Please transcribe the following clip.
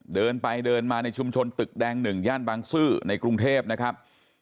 เดินไปเดินมาในชุมชนตึกแดง๑ย่านบางซื่อในกรุงเทพนะครับ